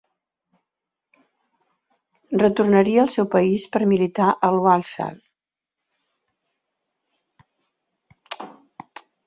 Retornaria al seu país per militar al Walsall.